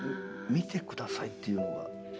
「見てください」っていうのが。